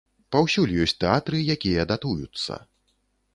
Паўсюль ёсць тэатры, якія датуюцца.